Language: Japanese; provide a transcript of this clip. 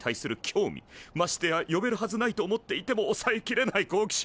ましてや呼べるはずないと思っていてもおさえきれない好奇心。